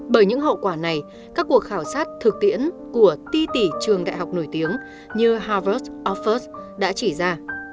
bởi những hậu quả này các cuộc khảo sát thực tiễn của ti tỷ trường đại học nổi tiếng như harvard office đã chỉ ra